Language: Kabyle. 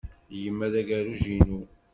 Yemma d agerruj-inu.